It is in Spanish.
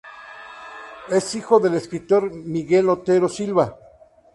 Es hijo del escritor Miguel Otero Silva.